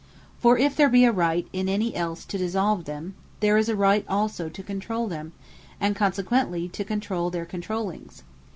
For if there be a right in any else to dissolve them, there is a right also to controule them, and consequently to controule their controulings.